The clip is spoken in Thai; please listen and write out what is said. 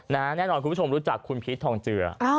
แน่นอนคุณผู้ชมรู้จักคุณพีชทองเจือ